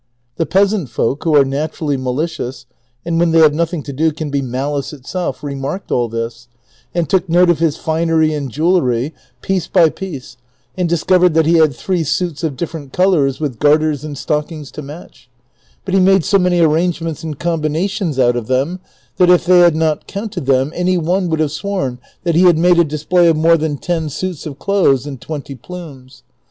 Tlie peasant folk, who are naturally malicious, and when they have nothing to do can be malice itself, remarked all this, and took note of his finery and jewellery, piece by piece, and discovered that lie liad tlu'ee suits of different colors, with garters and stockings to match ; Init he made so many arrangements and combinations out of them, that if tliey had not counted them, any one would have sworn tiiat he had made a display of more than ten suits of clothes and twenty plumes.